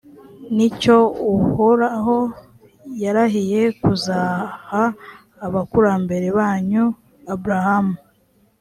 ni cyo uhoraho yarahiye kuzaha abakurambere banyu abrahamu